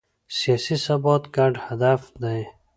سیاسي ثبات ګډ هدف دی